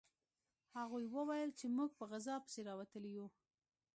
هغوی وویل چې موږ په غذا پسې راوتلي یو